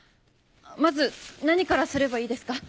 まず何からすればいいですか。